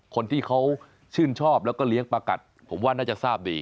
คนที่เขาชื่นชอบแล้วก็เลี้ยงปลากัดผมว่าน่าจะทราบดี